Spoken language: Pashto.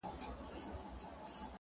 ما مجسمه د بې وفا په غېږ كي ايښې ده~